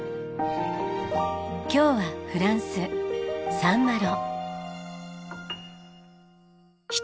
今日はフランスサンマロ。